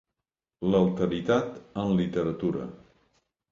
L'alteritat en literatura.